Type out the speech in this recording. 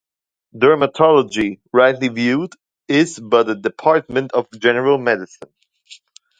Dermatology, rightly viewed, is but a department of general medicine.